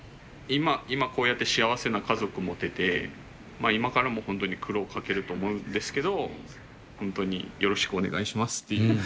今こうやって幸せな家族持てて今からも本当に苦労をかけると思うんですけど本当によろしくお願いしますっていう。